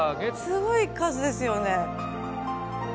すごい数ですよね。